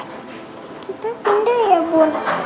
kita pindah ya bu